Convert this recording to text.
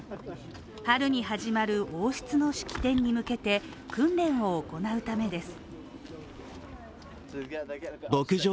春に始まる王室の式典に向けて訓練を行うためです。